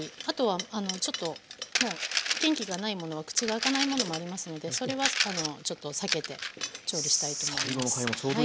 あとはちょっともう元気がないものは口が開かないものもありますのでそれはちょっと避けて調理したいと思います。